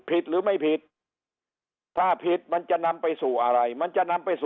หรือไม่ผิดถ้าผิดมันจะนำไปสู่อะไรมันจะนำไปสู่